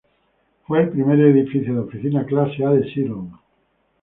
Fue el primer edificio de oficinas clase A de Seattle.